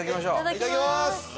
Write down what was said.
いただきます！